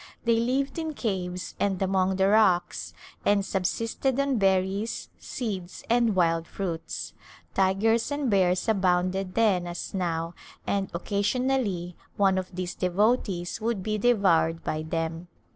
They lived in caves and among the A Summer Resort rocks and subsisted on berries, seeds, and wild fruits. Tigers and bears abounded then as now and occasion ally one of these devotees would be devoured by them.